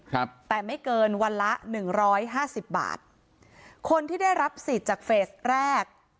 ครับแต่ไม่เกินวันละหนึ่งร้อยห้าสิบบาทคนที่ได้รับสิทธิ์จากเฟสแรก